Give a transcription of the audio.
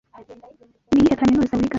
Niyihe kaminuza wiga?